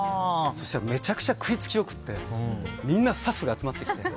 そしたらめちゃくちゃ食いつきよくてみんなスタッフが集まってきて。